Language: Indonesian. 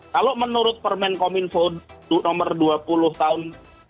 kalau menurut permen kominfo nomor dua puluh tahun dua ribu dua puluh